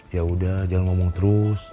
yaudah jangan ngomong terus